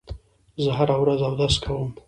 زه هره ورځ اودس کوم.